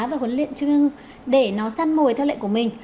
và huấn luyện chim ưng để nó săn mồi